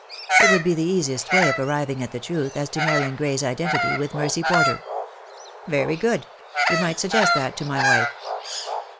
It would be the easiest way of arriving I42 THE DAY WILL COME. at the truth as to Marian Gray's identity with Mercy Porter." "Very good. You might suggest that to my wife."